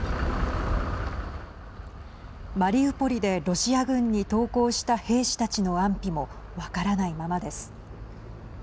マリウポリでロシア軍に投降した兵士たちの安否も分からないままです。